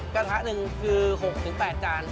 กระทะหนึ่งคือ๖๘จาน